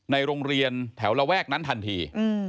ในโรงเรียนแถวระแวกนั้นทันที